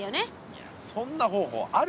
いやそんな方法あるか？